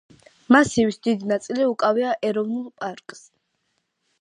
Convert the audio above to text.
მასივის დიდი ნაწილი უკავია ეროვნულ პარკს.